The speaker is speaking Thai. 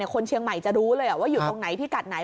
คนเชียงใหม่จะรู้เลยว่าอยู่ตรงไหนพิกัดไหน